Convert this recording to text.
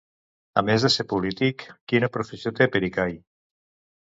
A més de ser polític, quina professió té Pericay?